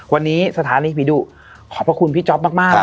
วันนี้สถานีผีดุขอบพระคุณพี่จ๊อปมาก